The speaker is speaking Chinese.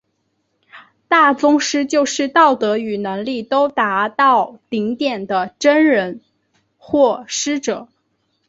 大宗师就是道德与能力都达到顶点的真人或师者。